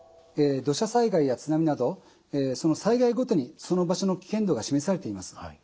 土砂災害や津波などその災害ごとにその場所の危険度が示されています。